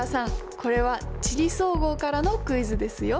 これは「地理総合」からのクイズですよ。